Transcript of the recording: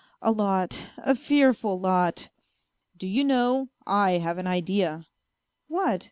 " A lot, a fearful lot." " Do you know, I have an idea "" What